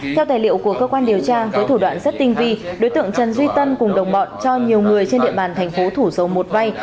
theo tài liệu của cơ quan điều tra với thủ đoạn rất tinh vi đối tượng trần duy tân cùng đồng bọn cho nhiều người trên địa bàn thành phố thủ dầu một vai